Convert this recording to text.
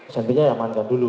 senpi nya diamankan dulu